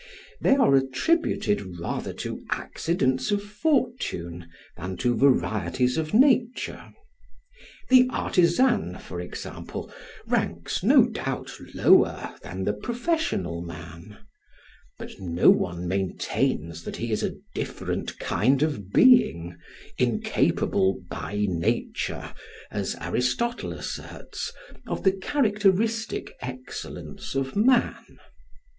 They are attributed rather to accidents of fortune than to varieties of nature. The artisan, for example, ranks no doubt lower than the professional man; but no one maintains that he is a different kind of being, incapable by nature, as Aristotle asserts, of the characteristic excellence of man.